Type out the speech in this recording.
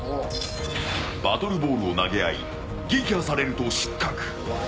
バトルボールを投げ合い撃破されると失格。